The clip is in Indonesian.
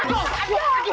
aduh aduh aduh